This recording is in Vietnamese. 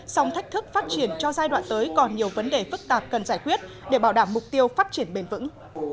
song thách thức phát triển cho giai đoạn tới còn nhiều vấn đề phức tạp cần giải quyết để bảo đảm mục tiêu phát triển bền vững